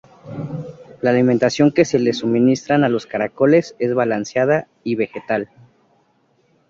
La alimentación que se les suministran a los caracoles es balanceada y vegetal.